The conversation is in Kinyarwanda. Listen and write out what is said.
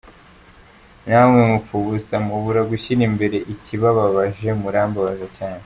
Namwe mupfa ubusa mubura gushyira imbere ikibababaje murambabaza cyane.